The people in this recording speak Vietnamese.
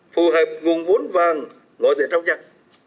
phù hợp nguồn vốn vàng ngồi tại trong chặt